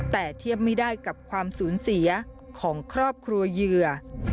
แต่เทียบไม่ได้กับความสูญเสียของครอบครัวเหยื่อ